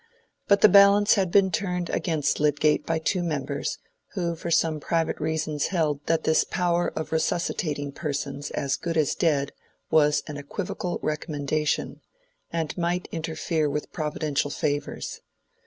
But the balance had been turned against Lydgate by two members, who for some private reasons held that this power of resuscitating persons as good as dead was an equivocal recommendation, and might interfere with providential favors.